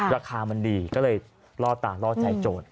ราคามันดีก็เลยล่อตาล่อใจโจทย์